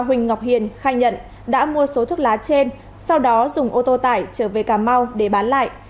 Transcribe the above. huỳnh ngọc hiền khai nhận đã mua số thuốc lá trên sau đó dùng ô tô tải trở về cà mau để bán lại